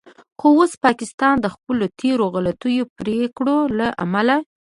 خو اوس پاکستان د خپلو تیرو غلطو پریکړو له امله